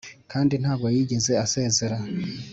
kandi ntabwo yigeze asezera